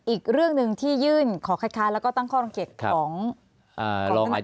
อีกเรื่องหนึ่งที่ยื่นขอคัดค้านแล้วก็ตั้งข้อสังเกตของท่าน